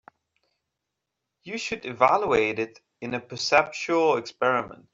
You should evaluate it in a perceptual experiment.